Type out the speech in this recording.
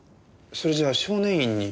それじゃあ少年院に？